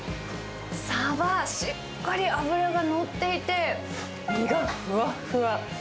サバ、しっかり脂が乗っていて、身がふわふわ。